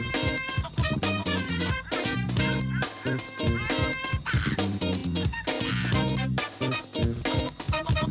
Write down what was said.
สวัสดีครับ